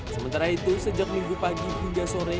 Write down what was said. sementara itu sejak minggu pagi hingga sore